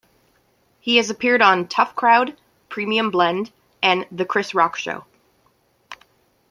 He has appeared on "Tough Crowd", "Premium Blend", and "The Chris Rock Show".